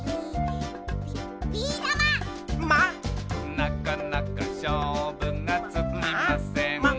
「なかなかしょうぶがつきません」